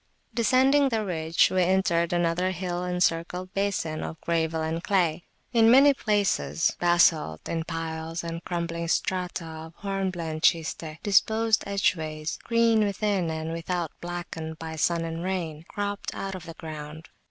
Descending the ridge, we entered another hill encircled basin of gravel and clay. In many places basalt in piles and crumbling strata of hornblende schiste, disposed edgeways, green within, and without blackened by sun and rain, cropped out of the ground.